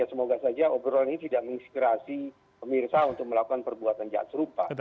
semoga saja obrolan ini tidak menginspirasi pemirsa untuk melakukan perbuatan jahat serupa